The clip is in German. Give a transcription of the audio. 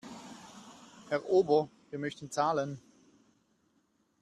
Herr Ober, wir möchten zahlen.